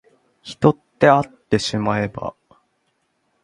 人ってあってしまえば